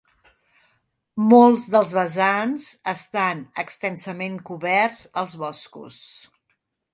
Molts dels vessants estan extensament coberts als boscos.